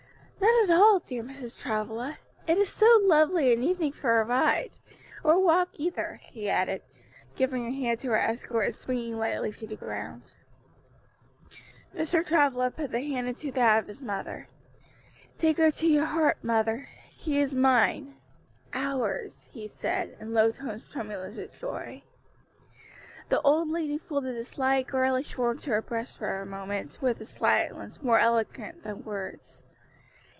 "Not at all, dear Mrs. Travilla; it is so lovely an evening for a ride; or walk either," she added, giving her hand to her escort and springing lightly to the ground. Mr. Travilla put the hand into that of his mother. "Take her to your heart, mother; she is mine ours!" he said, in low tones tremulous with joy. The old lady folded the slight girlish form to her breast for a moment, with a silence more eloquent than words.